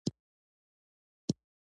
موټر کې باید شور کم وي.